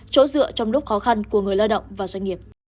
chỗ dựa trong lúc khó khăn của người lao động và doanh nghiệp